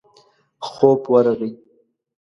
خوب ورغی.